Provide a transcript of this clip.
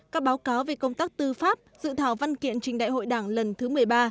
các báo cáo về công tác tư pháp dự thảo văn kiện trình đại hội đảng lần thứ một mươi ba